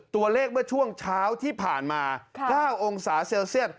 ตัวเลขเมื่อช่วงเช้าที่ผ่านมา๙องศาเซลเซียต